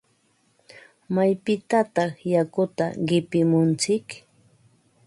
¿Maypitataq yakuta qipimuntsik?